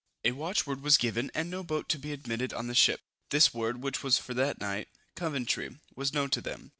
A watchword was given, and no boat to be admitted on board the ship. This word, which was for that night, Coventry, was known to them.